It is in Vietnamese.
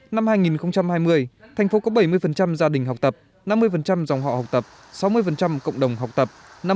năm hai nghìn hai mươi thành phố có bảy mươi gia đình học tập năm mươi dòng họ học tập sáu mươi cộng đồng học tập